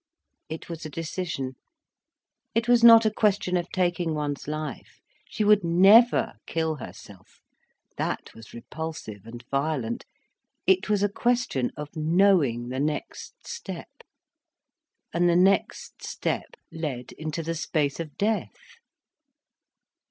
It was a decision. It was not a question of taking one's life—she would never kill herself, that was repulsive and violent. It was a question of knowing the nextcstep. And the next step led into the space of death.